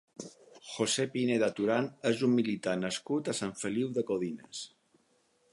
José Pineda Turán és un militar nascut a Sant Feliu de Codines.